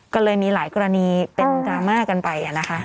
ก็เลยมีหลายกรณีเป็นดาร์มากันไป